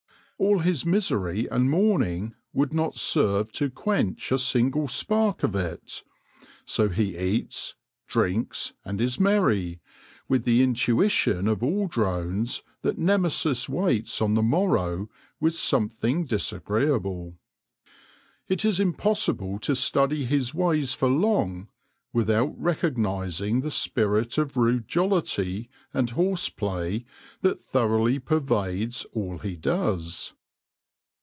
All his misery and mourning would not serve to quench a single spark of it ; so he eats, drinks, and is merry, with the in tuition of all drones that Nemesis waits on the morrow with something disagreeable. It is impossible to study his ways for long without recognising the spirit of rude jollity and horse play that thoroughly pervades all he does.